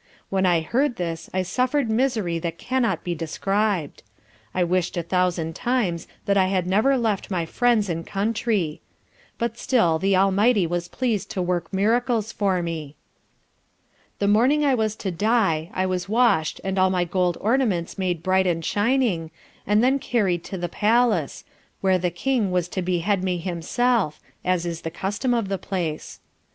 When I heard this I suffered misery that cannot be described. I wished a thousand times that I had never left my friends and country. But still the Almighty was pleased to work miracles for me. The morning I was to die, I was washed and all my gold ornaments made bright and shining, and then carried to the palace, where the King was to behead me himself (as is the custom of the place).